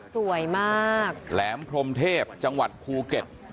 สวยมากแหลมพรมเทพจังหวัดภูเก็ต